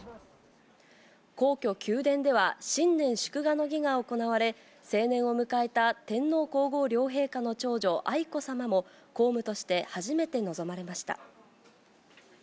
皇居・宮殿では、新年祝賀の儀が行われ、成年を迎えた天皇皇后両陛下の長女、愛子さまも公務として初めて臨まれました。